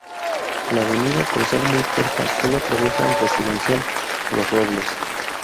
La avenida por ser muy corta, sólo atraviesa el Residencial Los Robles.